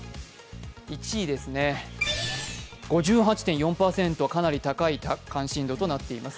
１位ですね、５８．４％、かなり高い関心度となっています。